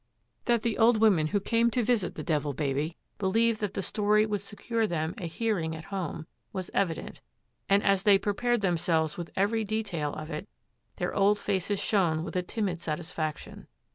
That the old women who came to visit the Devil Baby believed that the story would secure them a hearing at home, was evident, and as they prepared themselves with every detail of it, their old faces shone with a timid satisfaction.